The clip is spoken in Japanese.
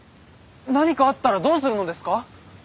何かあったらどうするのですか？